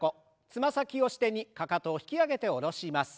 つま先を支点にかかとを引き上げて下ろします。